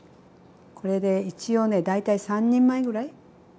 これで一応ね大体３人前ぐらい。